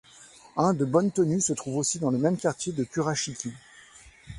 Un de bonne tenue se trouve aussi dans le même quartier de Kurashiki.